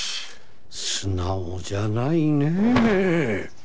素直じゃないねえ。